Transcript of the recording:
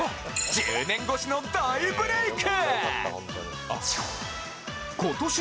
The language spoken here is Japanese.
１０年越しの大ブレイク！